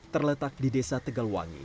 terletak di desa tegalwangi